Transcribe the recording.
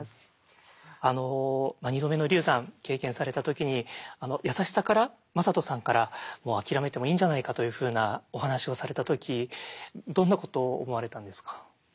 あの２度目の流産経験された時に優しさから魔裟斗さんから「もう諦めてもいいんじゃないか」というふうなお話をされた時どんなことを思われたんですか？